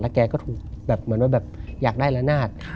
แล้วแกก็ถูกแบบอยากได้ละนาด